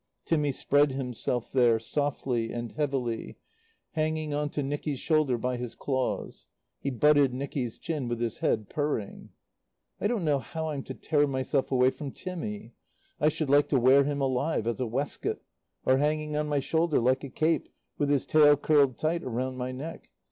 Timmy spread himself there, softly and heavily, hanging on to Nicky's shoulder by his claws; he butted Nicky's chin with his head, purring. "I don't know how I'm to tear myself away from Timmy. I should like to wear him alive as a waistcoat. Or hanging on my shoulder like a cape, with his tail curled tight round my neck.